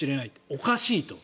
おかしいと。